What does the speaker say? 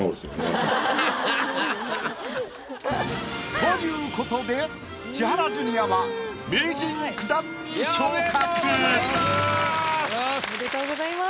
ということで千原ジュニアはおめでとうございます。